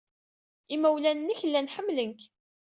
Imawlan-nnek llan ḥemmlen-k.